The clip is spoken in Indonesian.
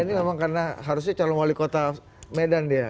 ini memang karena harusnya calon wali kota medan dia